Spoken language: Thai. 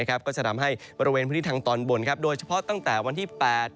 ก็จะทำให้บริเวณพื้นที่ทางตอนบนโดยเฉพาะตั้งแต่วันที่๘